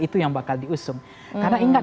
itu yang bakal diusung karena ingat